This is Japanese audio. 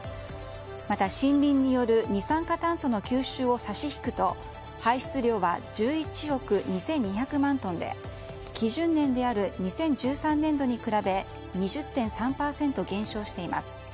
また、森林による二酸化炭素の吸収を差し引くと排出量は１１億２２００万トンで基準年である２０１３年度に比べ２０．３％減少しています。